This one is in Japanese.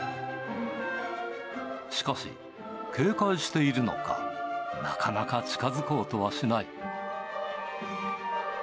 しかし、警戒しているのか、なかなか近づこうとはしない。